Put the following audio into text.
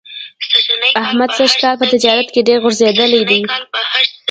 احمد سږ کال په تجارت کې ډېر غورځېدلی دی.